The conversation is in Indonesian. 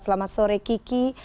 selamat sore kiki